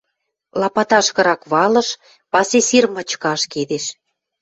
Лапаташкырак валыш, пасе сир мычкы ашкедеш.